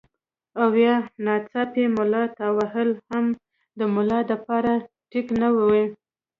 او يا ناڅاپي ملا تاوهل هم د ملا د پاره ټيک نۀ وي